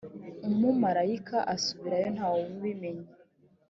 umumarayika asubirayo ntawubimenye.